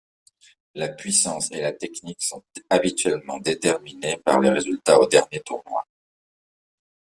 La puissance et la technique sont habituellement déterminées par les résultats aux derniers tournois.